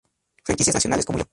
Franquicias nacionales como Yo!